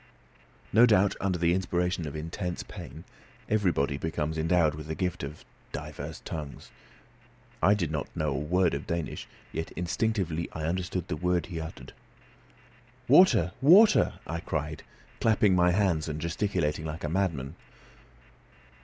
No doubt under the inspiration of intense pain everybody becomes endowed with the gift of divers tongues. I did not know a word of Danish, yet instinctively I understood the word he had uttered. "Water! water!" I cried, clapping my hands and gesticulating like a madman.